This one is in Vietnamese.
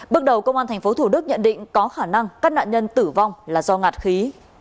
bước đầu công an tp thủ đức nhận định có khả năng các nạn nhân tử vong là do ngạt khí